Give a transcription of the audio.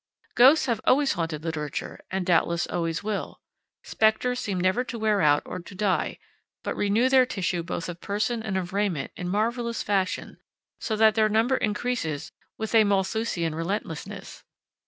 Ghosts have always haunted literature, and doubtless always will. Specters seem never to wear out or to die, but renew their tissue both of person and of raiment, in marvelous fashion, so that their number increases with a Malthusian relentlessness.